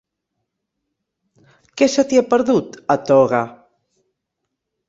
Què se t'hi ha perdut, a Toga?